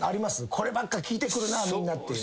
こればっか聞いてくるなみんな。